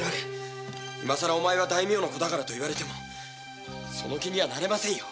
今さら大名の子と言われてもその気にはなれませんよ。